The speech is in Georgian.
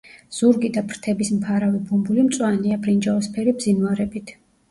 ზურგი და ფრთების მფარავი ბუმბული მწვანეა ბრინჯაოსფერი ბზინვარებით.